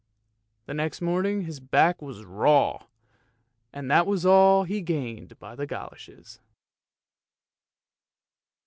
The next morning his back was raw, and that was all he gained by the goloshes.